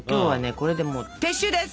これでもう撤収です！